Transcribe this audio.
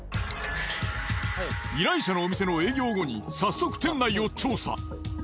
依頼者のお店の営業後に早速店内を調査。